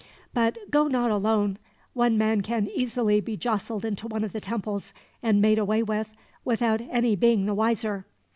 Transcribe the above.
"But go not alone. One man can easily be jostled into one of the temples, and made away with, without any being the wiser.